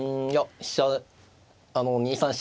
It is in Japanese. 飛車あの２三飛車